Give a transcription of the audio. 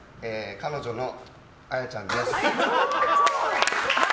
彼女のあやちゃんです。